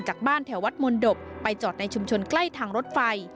จากบ้านแถววัดมนตบไปจอดในชุมชนใกล้ทางรถไฟ